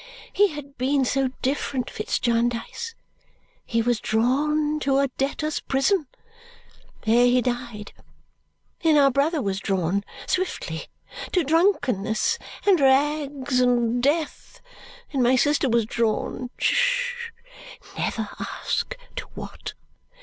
He had been so different, Fitz Jarndyce. He was drawn to a debtors' prison. There he died. Then our brother was drawn swiftly to drunkenness. And rags. And death. Then my sister was drawn. Hush! Never ask to what!